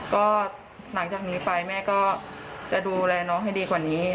ก็หลังจากนี้ไปแม่ก็จะดูแลน้องให้ดีกว่านี้